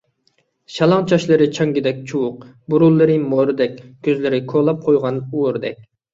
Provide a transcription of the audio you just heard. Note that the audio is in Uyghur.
شالاڭ چاچلىرى چاڭگىدەك چۇۋۇق، بۇرۇنلىرى مورىدەك، كۆزلىرى كولاپ قويغان ئورىدەك.